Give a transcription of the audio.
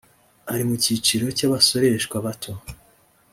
ari mu cyiciro cy abasoreshwa bato